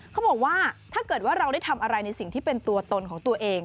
เขาบอกว่าถ้าเกิดว่าเราได้ทำอะไรในสิ่งที่เป็นตัวตนของตัวเอง